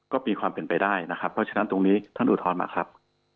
ก็มีความเป็นไปได้นะครับเพราะฉะนั้นตรงนี้ท่านอุทธรณ์มาครับ